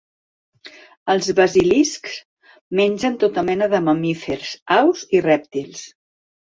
Els basiliscs mengen tota mena de mamífers, aus i rèptils.